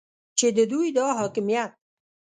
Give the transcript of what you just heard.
چې د دوی دا حاکمیت